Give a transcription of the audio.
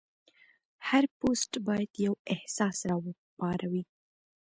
هر پوسټ باید یو احساس راوپاروي.